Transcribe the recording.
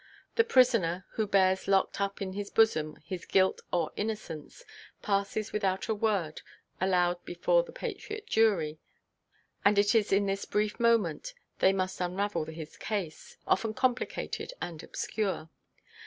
The prisoner, who bears locked up in his bosom his guilt or innocence, passes without a word allowed before the patriot jury, and it is in this brief moment they must unravel his case, often complicated and obscure.